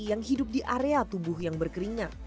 yang hidup di area tubuh yang berkeringat